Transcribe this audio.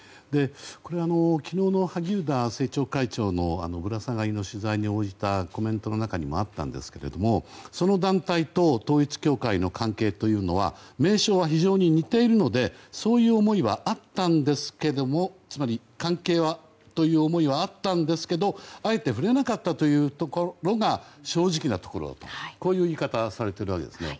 これ昨日の萩生田政調会長のぶら下がりの取材に応じたコメントの中にもあったんですがその団体と統一教会の関係というのは名称は非常に似ているのでそういう思いはあったんですけどもつまり、関係という思いはあったんですけどあえて触れなかったというところが正直なところだとこういう言い方をされているわけですね。